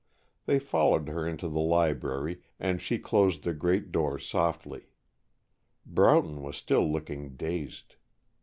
They followed her into the library, and she closed the great doors softly. Broughton was still looking dazed.